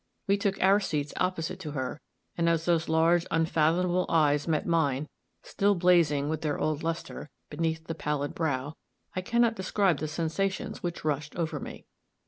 We took our seats opposite to her, and as those large, unfathomable eyes met mine, still blazing with their old luster, beneath the pallid brow, I can not describe the sensations which rushed over me.